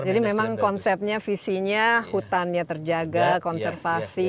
jadi memang konsepnya visinya hutannya terjaga konservasi